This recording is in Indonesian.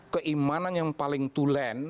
keimanan yang paling tulen